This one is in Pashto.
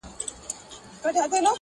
اخ پښتونه چي لښکر سوې نو دبل سوې،